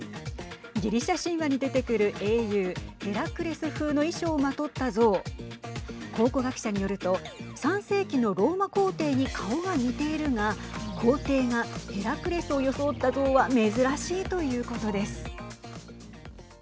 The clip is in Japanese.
ギリシャ神話に出てくる英雄ヘラクレス風の衣装をまとった像考古学者によると３世紀のローマ皇帝に顔が似ているが皇帝がヘラクレスを装った像は珍しいということです。